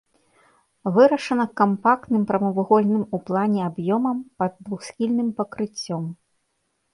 Вырашана кампактным прамавугольным у плане аб'ёмам пад двухсхільным пакрыццём.